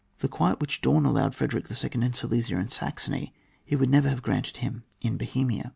The quiet which Daun allowed Frederick II. in Silesia and Saxony, he would never have granted him in Bohemia.